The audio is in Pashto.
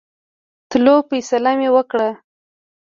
تللو فیصله مې وکړه.